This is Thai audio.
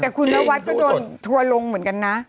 แต่คุณนวัดก็โดนทัวร์ลงเหมือนกันนะ